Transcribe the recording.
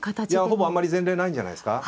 ほぼあんまり前例ないんじゃないですか。